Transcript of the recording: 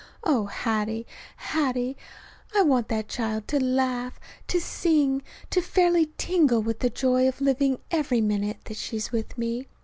Oh, Hattie, Hattie, I want that child to laugh, to sing, to fairly tingle with the joy of living every minute that she is with me.